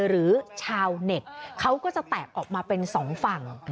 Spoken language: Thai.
หรือชาวเน็ตเขาก็จะแตกออกมาเป็นสองฝั่ง